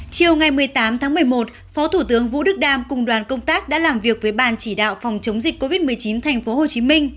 chiều một mươi tám tháng một mươi một phó thủ tướng vũ đức đam cùng đoàn công tác đã làm việc với bàn chỉ đạo phòng chống dịch covid một mươi chín thành phố hồ chí minh